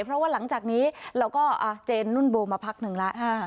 เพราะว่าหลังจากนี้เราก็อาเจนนุ่นโบมาพักหนึ่งแล้ว